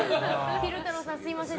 昼太郎さん、すみません。